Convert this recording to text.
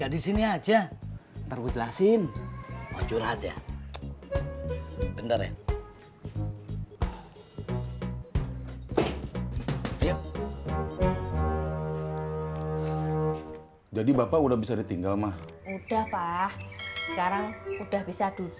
assalamualaikum pak udi